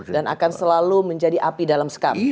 dan akan selalu menjadi api dalam skam